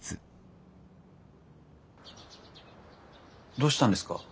どうしたんですか？